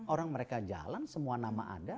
orang mereka jalan semua nama ada